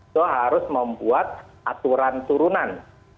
itu harus membuat aturan turunan